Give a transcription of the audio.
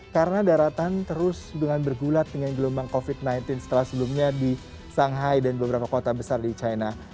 karena daratan terus dengan bergulat dengan gelombang covid sembilan belas setelah sebelumnya di shanghai dan beberapa kota besar di china